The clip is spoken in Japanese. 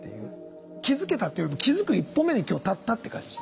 気づけたっていうより気づく一歩目に今日立ったって感じ。